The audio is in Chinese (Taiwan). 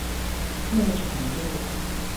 牧場路